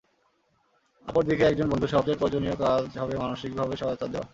অপর দিকে একজন বন্ধুর সবচেয়ে প্রয়োজনীয় কাজটা হবে মানসিকভাবে সহায়তা দেওয়া।